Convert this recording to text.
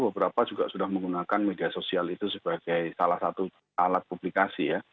beberapa juga sudah menggunakan media sosial itu sebagai salah satu alat publikasi ya